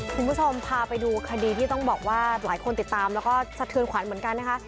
คุณผู้ชมพาไปดูคดีที่ต้องบอกว่าหลายคนติดตามแล้วก็สะเทือนขวัญเหมือนกันนะคะ